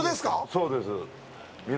そうです。